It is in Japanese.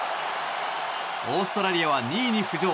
オーストラリアは２位に浮上。